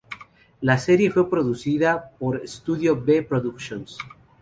La serie fue producida por Studio B Productions.